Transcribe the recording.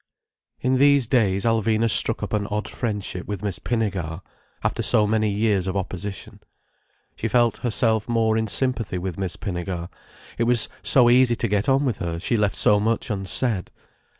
In these days Alvina struck up an odd friendship with Miss Pinnegar, after so many years of opposition. She felt herself more in sympathy with Miss Pinnegar—it was so easy to get on with her, she left so much unsaid.